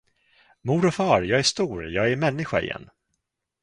Mor och far, jag är stor, jag är människa igen!